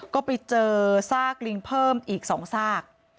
ก็ไปเจอซากลิงเพิ่มอีก๒ซาก